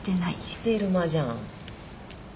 してる間じゃん。